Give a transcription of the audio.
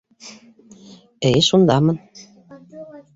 - Эйе, шундамын.